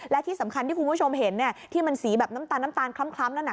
และที่สำคัญที่คุณผู้ชมเห็นที่มันสีแบบน้ำตาลน้ำตาลคล้ำนั่นน่ะ